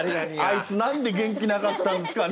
「あいつ何で元気なかったんすかね」。